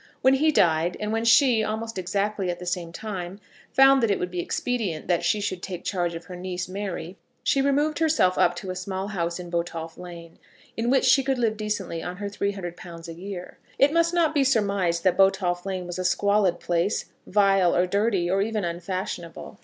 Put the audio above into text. When he died, and when she, almost exactly at the same time, found that it would be expedient that she should take charge of her niece, Mary, she removed herself up to a small house in Botolph Lane, in which she could live decently on her £300 a year. It must not be surmised that Botolph Lane was a squalid place, vile, or dirty, or even unfashionable.